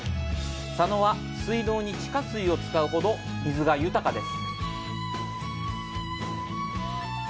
佐野は水道に地下水を使うほど水が豊かです。